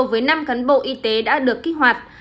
với năm cán bộ y tế đã được kích hoạt